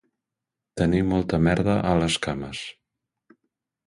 Tenir molta merda a les cames